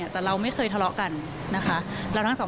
แต่เราไม่เคยทะเลาะกันนะคะ